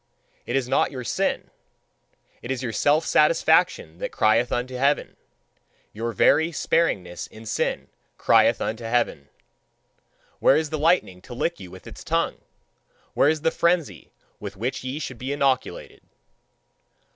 It is not your sin it is your self satisfaction that crieth unto heaven; your very sparingness in sin crieth unto heaven! Where is the lightning to lick you with its tongue? Where is the frenzy with which ye should be inoculated?